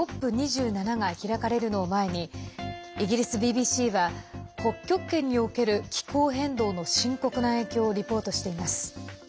ＣＯＰ２７が開かれるのを前にイギリスＢＢＣは北極圏における気候変動の深刻な影響をリポートしています。